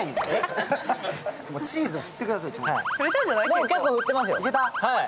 もう結構振ってます。